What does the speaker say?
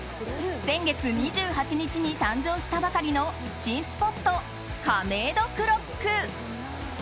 先月２８日に誕生したばかりの新スポットカメイドクロック。